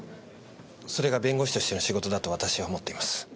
それが弁護士としての仕事だと私は思っています。